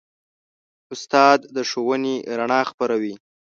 استاد د ښوونې رڼا خپروي.